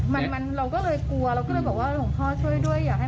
มันมันเราก็เลยกลัวเราก็เลยบอกว่าหลวงพ่อช่วยด้วยอยากให้